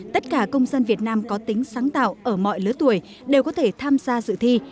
tất cả công dân việt nam có tính sáng tạo ở mọi lứa tuổi đều có thể tham gia dự thi